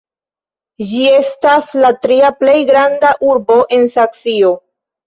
Ĝi estas la tria plej granda urbo en Saksio.